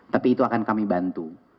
tapi itu akan kami bantu